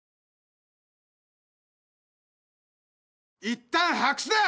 いったん白紙だ！